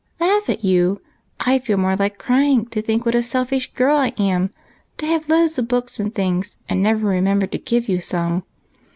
" Laugh at you ! I feel more like crying to think what a selfish girl I am, to have loads of books and things and never remember to give you some.